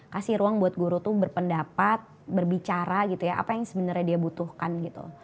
kasih ruang buat guru itu berpendapat berbicara gitu ya apa yang sebenarnya dia butuhkan gitu